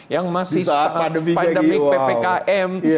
yang masih pandemi ppkm